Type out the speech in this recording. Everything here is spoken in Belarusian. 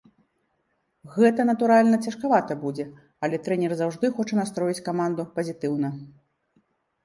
Гэта, натуральна, цяжкавата будзе, але трэнер заўжды хоча настроіць каманду пазітыўна.